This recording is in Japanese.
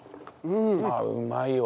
あっうまいわ！